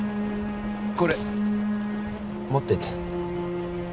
これ持ってって